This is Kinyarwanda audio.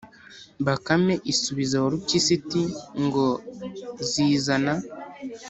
“bakame isubiza warupyisi iti: “ngo zizana!